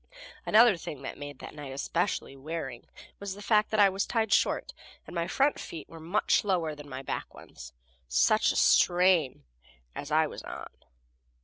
Another thing that made that night especially wearing was the fact that I was tied short, and my front feet were much lower than my back ones. Such a strain as I was on!